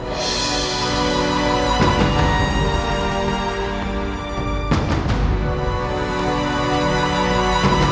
untuk membela diri